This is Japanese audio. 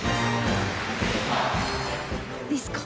ディスコ！